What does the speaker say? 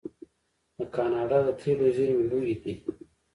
د کاناډا د تیلو زیرمې لویې دي.